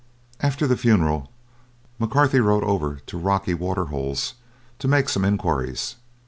After the funeral, McCarthy rode over to the Rocky Waterholes to make some enquiries.